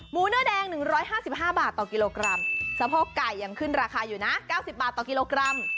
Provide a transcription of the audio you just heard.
เนื้อแดง๑๕๕บาทต่อกิโลกรัมสะโพกไก่ยังขึ้นราคาอยู่นะ๙๐บาทต่อกิโลกรัม